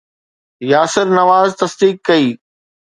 ياسر نواز تصديق ڪئي